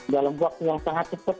dalam waktu yang sangat cepat